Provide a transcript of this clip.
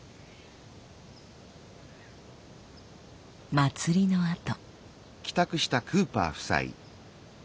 祭りのあと。